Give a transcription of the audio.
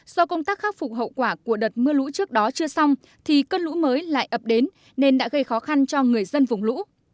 do công tác khắc phục hậu quả của đợt mưa lũ trước đó chưa xong thì cơn lũ mới lại ập đến nên đã gây khó khăn cho người dân vùng lũ